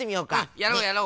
やろうやろう。